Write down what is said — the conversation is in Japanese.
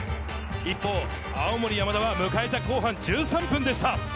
一方、青森山田は迎えた後半１３分でした。